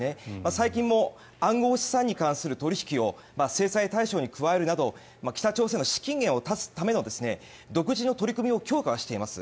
最近も暗号資産に関する取引を制裁対象に加えるなど北朝鮮の資金源を断つための独自の取り組みの強化をしています。